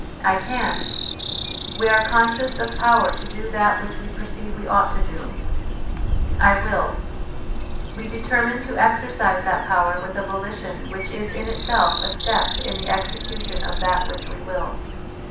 ' I can ' we are conscious of power to do that which we perceive we ought to do. */ wiir we determine to exercise that power with a volition which is in itself a step in the execution of that which we will.